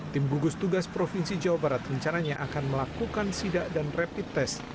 tim gugus tugas provinsi jawa barat rencananya akan melakukan sidak dan rapid test